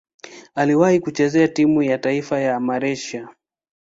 Aliwahi kucheza timu ya taifa ya Malaysia.